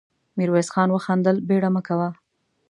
ميرويس خان وخندل: بېړه مه کوه.